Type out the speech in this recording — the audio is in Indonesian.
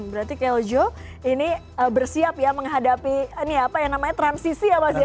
berarti keljo ini bersiap ya menghadapi ini apa yang namanya transisi ya mas ya